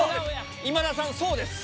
今田さん、そうです。